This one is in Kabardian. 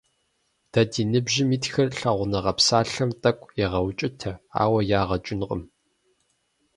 Дэ ди ныбжьым итхэр «лъагъуныгъэ» псалъэм тӀэкӀу егъэукӀытэ, ауэ ягъэ кӀынкъым.